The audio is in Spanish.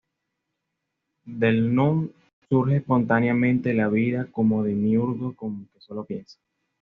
Del "Nun" surge espontáneamente la vida como demiurgo que sólo piensa.